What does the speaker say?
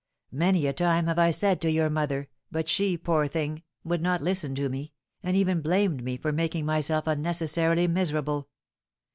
Many a time have I said so to your mother; but she, poor thing! would not listen to me, and even blamed me for making myself unnecessarily miserable.